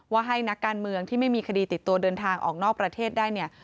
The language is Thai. ให้นักการเมืองที่ไม่มีคดีติดตัวเดินทางออกนอกประเทศได้เนี่ย